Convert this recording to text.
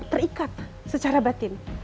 terikat secara batin